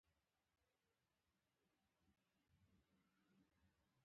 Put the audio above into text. ورته ویې ویل چې د اوږو د درد له لاسه خوب نه دی راغلی.